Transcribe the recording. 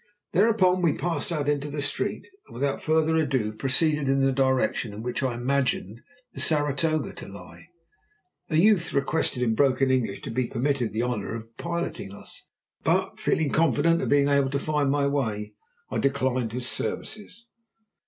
Thereupon we passed out into the street, and without further ado proceeded in the direction in which I imagined the Saratoga to lie. A youth requested, in broken English, to be permitted the honour of piloting us, but feeling confident of being able to find my way I declined his services.